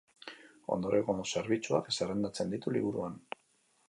Ondorengo zerbitzuak zerrendatzen ditu liburuan.